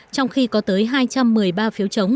với hai trăm một mươi ba phiếu chống